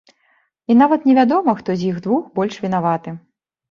І нават невядома, хто з іх двух больш вінаваты.